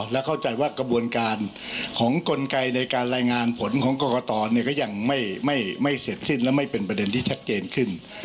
และเข้าใจว่ากระบวนการของกลไกในการรายงานผลของกรกตก็ยังไม่เสร็จสิ้นและไม่เป็นประเด็นที่ชัดเจนขึ้น